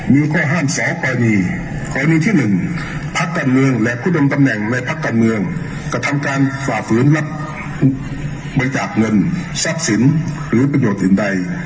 มีแค่๕แสนกรณีกรณีที่๑พักการเมืองและผู้ดำตำแหน่งในพักการเมืองกระทำการฝ่าฝืนรับบริจาคเงินทรัพย์สินหรือประโยชน์อื่นใด